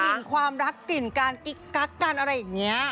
กลิ่นความรักกลิ่นกันกิ๊กกักกันอะไรอย่างนี้